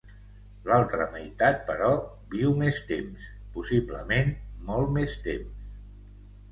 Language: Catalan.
L'altra meitat, però, viu més temps, possiblement molt més temps.